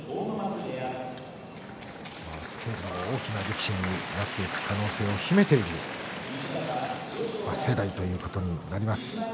スケールの大きな力士になっていく可能性を秘めている世代ということになります。